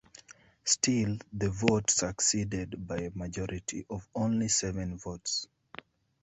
Still, the vote succeeded by a majority of only seven votes.